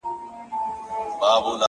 o گراني په تاڅه وسول ولي ولاړې ،